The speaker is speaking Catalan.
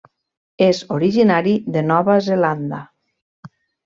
És originari de Nova Zelanda.